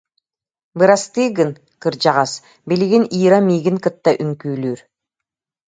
Бырастыы гын, кырдьаҕас, билигин Ира миигин кытта үҥкүүлүүр